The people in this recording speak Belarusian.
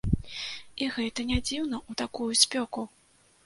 І гэта не дзіўна ў такую спёку!